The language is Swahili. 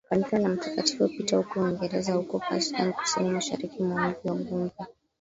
kanisa la mtakatifu Peter huko Uingereza huko Panchgani kusini mashariki mwa mji wa Bombay